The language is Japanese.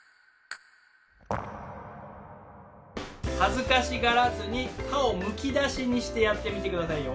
恥ずかしがらずに歯をむき出しにしてやってみて下さいよ。